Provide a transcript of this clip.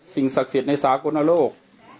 ศักดิ์สิทธิ์ในสากลโลก